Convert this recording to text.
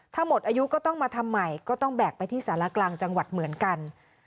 ถ้าหมดอายุก็ต้องมาทำใหม่ก็ต้องแบกไปที่สารกลางจังหวัดเหมือนกัน